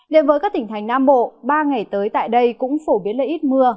điện với các tỉnh thành nam bộ ba ngày tới tại đây cũng phổ biến là ít mưa